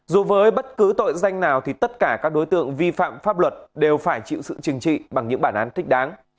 dù với bất cứ tội danh nào thì tất cả các đối tượng vi phạm pháp luật đều phải chịu sự chừng trị bằng những bản án thích đáng